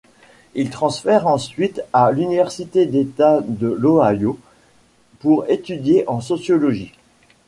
Il transfère ensuite à l'université d'État de l'Ohio pour étudier en sociologie.